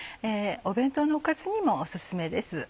お弁当のおかずにもお薦めです。